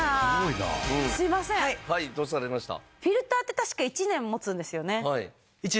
はいどうされました？